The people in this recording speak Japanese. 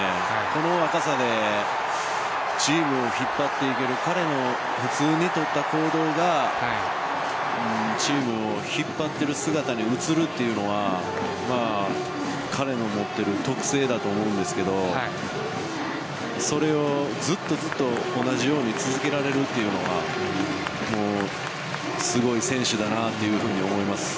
この若さでチームを引っ張っていける彼の普通に取った行動がチームを引っ張っている姿に映るというのは彼の持っている特性だと思うんですけどそれはずっとずっと同じように続けられるというのはすごい選手だなというふうに思います。